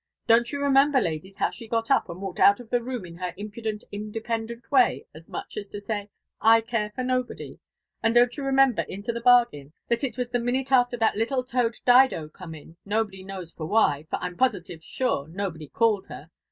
'• Don't yoa re member, ladies, how ahe got tip, and walked (jut of the room in her Impudent independent way, as rtrach as to say, * i care for nobedy T And dotft you remember into the bargain, that H waa the minute after that little toad Dido come in, nobody knows ht Why, for I'm positive atrre nobody called her.